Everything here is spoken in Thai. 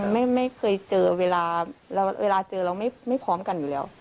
ไม่ไม่เคยเจอเวลาแล้วเวลาเจอเราไม่ไม่พร้อมกันอยู่แล้ว